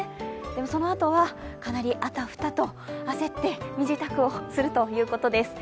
でも、そのあとはかなりあたふたと焦って身支度をするということです。